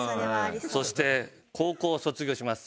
そして高校を卒業します。